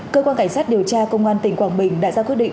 cơ quan cảnh sát điều tra công an tỉnh quảng bình đã ra quyết định